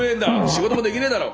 仕事もできねえだろ！